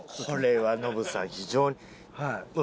これはノブさん非常に。